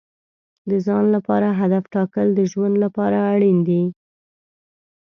د ځان لپاره هدف ټاکل د ژوند لپاره اړین دي.